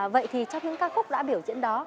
vậy thì trong những ca khúc đã biểu diễn đó